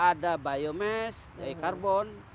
ada biomass yaitu karbon